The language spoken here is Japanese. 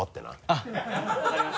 あっ分かりました。